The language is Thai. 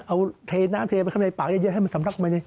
เอาเทน้ำเทไปข้างในปากเยอะให้มันสำลักไป